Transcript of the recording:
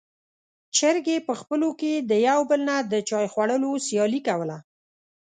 چرګې په خپلو کې د يو بل نه د چای خوړلو سیالي کوله.